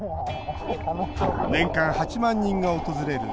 年間８万人が訪れる